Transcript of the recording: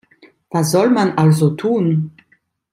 Was soll man also tun?